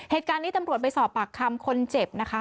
เหตุการณ์นี้ตำรวจไปสอบปากคำคนเจ็บนะคะ